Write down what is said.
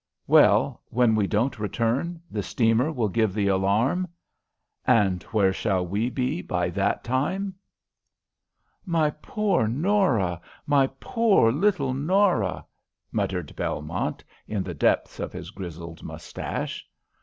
"Well, when we don't return, the steamer will give the alarm." "And where shall we be by that time?" "My poor Norah! My poor little Norah!" muttered Belmont, in the depths of his grizzled moustache.